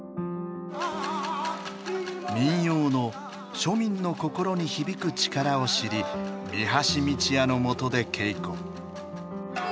民謡の庶民の心に響く力を知り三橋美智也のもとで稽古。